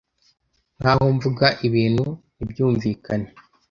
nkaho mvuga ibintu ntibyumviakne